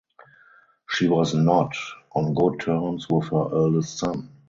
She was not on good terms with her eldest son.